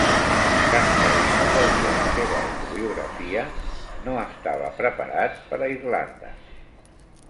Cascarino va dir a la seva autobiografia: "No estava preparat per a Irlanda".